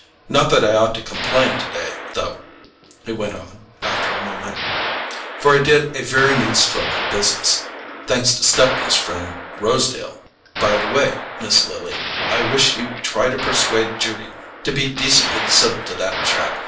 Not that I ought to complain today, though," he went on after a moment, "for I did a very neat stroke of business, thanks to Stepney's friend Rosedale: by the way, Miss Lily, I wish you'd try to persuade Judy to be decently civil to that chap.